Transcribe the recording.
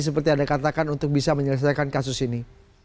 seperti anda katakan untuk bisa menyelesaikan kasus ini